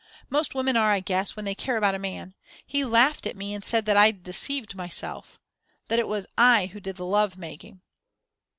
Most women are, I guess, when they care about a man. He laughed at me and said that I'd deceived myself that it was I who did the love making.